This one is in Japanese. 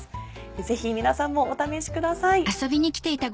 ぜひ皆さんもお試しください。